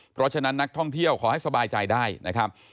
เพราะฉะนั้นนักท่องเที่ยวขอให้สบายใจได้นะครับ